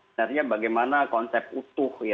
sebenarnya bagaimana konsep utuh